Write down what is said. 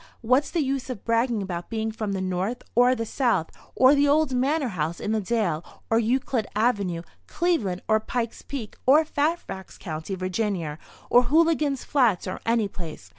What's the use of bragging about being from the North, or the South, or the old manor house in the dale, or Euclid avenue, Cleveland, or Pike's Peak, or Fairfax County, Va., or Hooligan's Flats or any place?